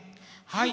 はい。